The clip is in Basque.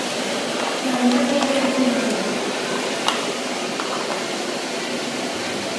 Egunkaria irakurtzen ari da.